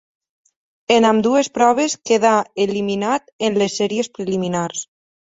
En ambdues proves quedà eliminat en les sèries preliminars.